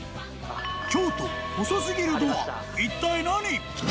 京都、細すぎるドア一体、何？